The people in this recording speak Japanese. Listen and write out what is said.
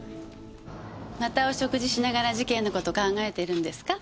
またお食事しながら事件の事考えてるんですか？